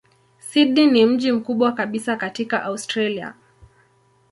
Sydney ni mji mkubwa kabisa katika Australia.